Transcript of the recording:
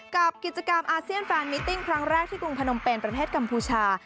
กับกิจกรรมอาเซียนแฟนมิติ้งครั้งแรกที่กรุงพนมเป็นประเทศกัมพูชา